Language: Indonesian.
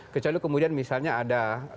kecuali kemudian misalnya ada